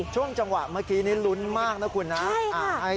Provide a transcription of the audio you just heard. ช่วงจังหวะเมื่อกี้นี้ลุ้นมากนะคุณนะ